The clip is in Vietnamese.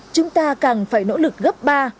chúng ta càng phải nỗ lực gấp ba